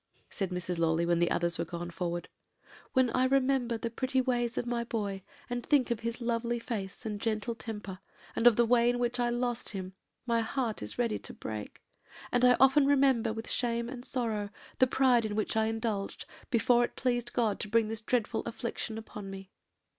said Mrs. Lawley, when the others were gone forward; 'when I remember the pretty ways of my boy, and think of his lovely face and gentle temper, and of the way in which I lost him, my heart is ready to break; and I often remember, with shame and sorrow, the pride in which I indulged, before it pleased God to bring this dreadful affliction upon me.'